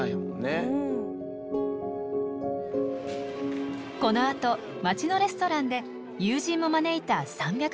このあと町のレストランで友人も招いた３００人の披露宴が行われました。